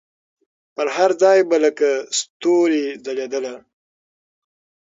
پر هر ځای به لکه ستوري ځلېدله